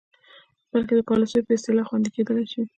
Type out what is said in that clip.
بلکې د پالسیو په اصلاح خوندې کیدلې شي.